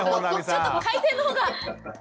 ちょっと回線のほうが。